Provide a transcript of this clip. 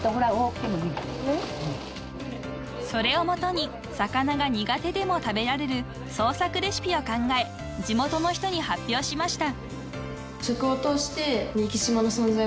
［それを基に魚が苦手でも食べられる創作レシピを考え地元の人に発表しました］